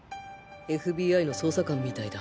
ＦＢＩの捜査官みたいだ。